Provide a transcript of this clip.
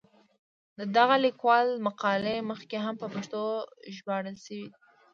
د دغه لیکوال مقالې مخکې هم په پښتو ژباړل شوې دي.